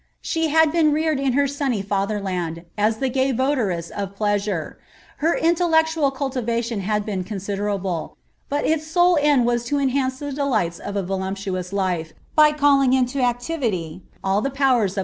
Sb« had been reared in her sunny fatherland, as the gay votaress of plavwr ; her intellectual cultivation had been considerable, but its sole end •»* to enhance the delights of a voluptuous life, by calling into actWiiv lO Sir Tliomas Phillipi, Ban.